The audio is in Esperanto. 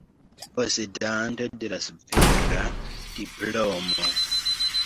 Posedanto de la supera diplomo.